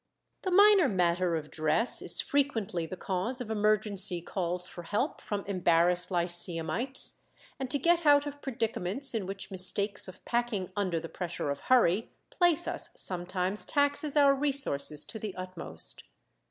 "] The minor matter of dress is frequently the cause of emergency calls for help from embarrassed lyceumites, and to get out of predicaments in which mistakes of packing under the pressure of hurry place us sometimes taxes our resources to the uttermost.